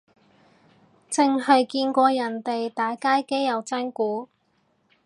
剩係見過人哋打街機有真鼓